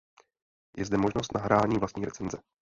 Je zde možnost nahrání vlastní recenze.